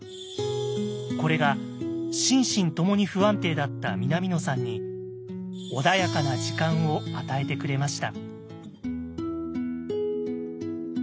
これが心身ともに不安定だった南野さんに穏やかな時間を与えてくれました。